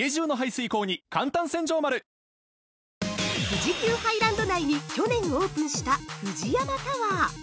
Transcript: ◆富士急ハイランド内に去年オープンしたＦＵＪＩＹＡＭＡタワー！